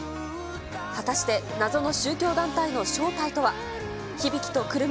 果たして、謎の宗教団体の正体とは。